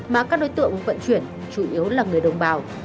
mà các đối tượng vận chuyển chủ yếu là người đồng bào